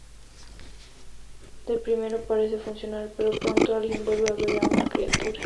De primero parece funcionar, pero pronto alguien vuelve a ver a una criatura.